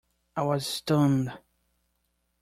I was stunned.